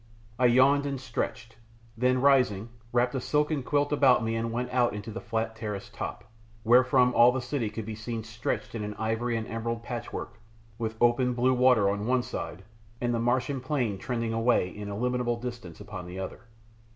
I yawned and stretched, then rising, wrapped a silken quilt about me and went out into the flat terrace top, wherefrom all the city could be seen stretched in an ivory and emerald patchwork, with open, blue water on one side, and the Martian plain trending away in illimitable distance upon the other.